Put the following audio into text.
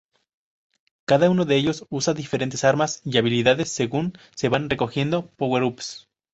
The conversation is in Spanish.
Cada uno de ellos usa diferentes armas y habilidades según se van recogiendo power-ups.